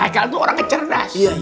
aikal itu orang yang cerdas